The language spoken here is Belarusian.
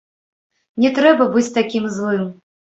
Не трэба быць такім злым.